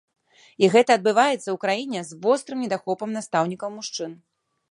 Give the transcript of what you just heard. І гэта адбываецца ў краіне з вострым недахопам настаўнікаў-мужчын.